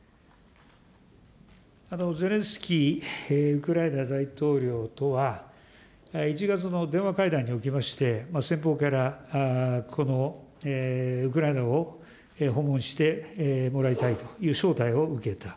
ゼレンスキーウクライナ大統領とは、１月の電話会談におきまして、先方から、ウクライナを訪問してもらいたいという招待を受けた。